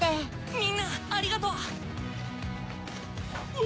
みんなありがとう。